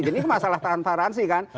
jadi masalah transparansi kan